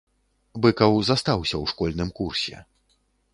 Быкаў застаўся ў школьным курсе.